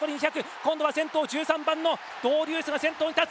今度は先頭１３番のドウデュースが先頭に立つ。